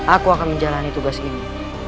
aku akan menjalani tugas ini